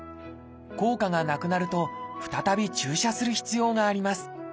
効果がなくなると再び注射する必要があります。